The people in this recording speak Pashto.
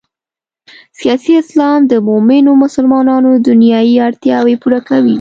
سیاسي اسلام د مومنو مسلمانانو دنیايي اړتیاوې پوره کوي.